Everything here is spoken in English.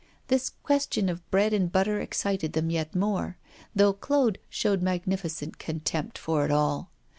This question of bread and butter excited them yet more, though Claude showed magnificent contempt for it all.